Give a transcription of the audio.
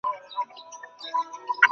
জানি না সে কোথায়, কীসের কাজ করত।